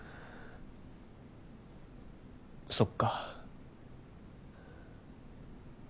そっか。